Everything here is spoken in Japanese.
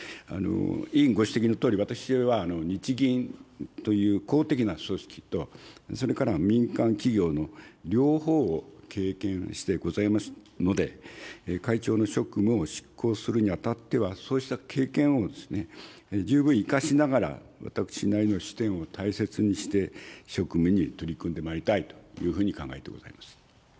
委員ご指摘のとおり、私は日銀という公的な組織と、それから民間企業の両方を経験してございますので、会長の職務を執行するにあたっては、そうした経験を十分生かしながら、私なりの視点を大切にして、職務に取り組んでまいりたいというふうに考えてございます。